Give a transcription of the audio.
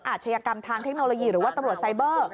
อาชญากรรมทางเทคโนโลยีหรือว่าตำรวจไซเบอร์